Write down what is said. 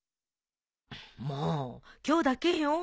もう今日だけよ。